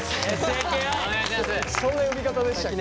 そんな呼び方でしたっけ？